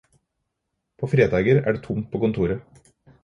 På fredager er det tomt på kontoret.